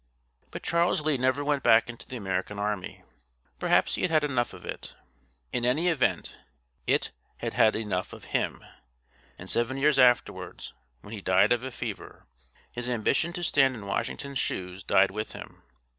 But Charles Lee never went back into the American army. Perhaps he had enough of it. In any event, it had had enough of him; and seven years afterwards, when he died of a fever, his ambition to stand in Washington's shoes died with him.